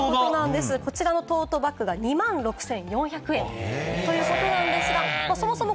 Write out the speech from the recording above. こちらのトートバッグが２万６４００円ということです。